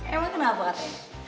emang kenapa katanya